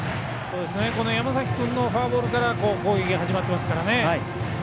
山崎君のフォアボールから攻撃が始まっていますからね。